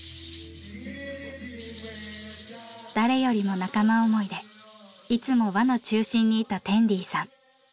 誰よりも仲間思いでいつも輪の中心にいたテンディさん。